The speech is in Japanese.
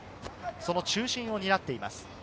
その中心を担っています。